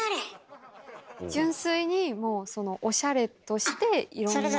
純粋にもうおしゃれとしていろんな。